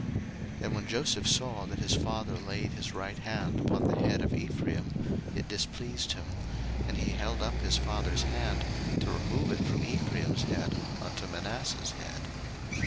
01:048:017 And when Joseph saw that his father laid his right hand upon the head of Ephraim, it displeased him: and he held up his father's hand, to remove it from Ephraim's head unto Manasseh's head.